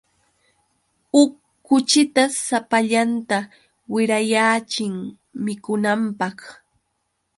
Huk kuchita sapallanta wirayaachin mikunanpaq.